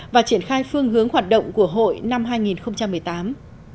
và triển khai phương hướng hoạt động của hội năm hai nghìn một mươi tám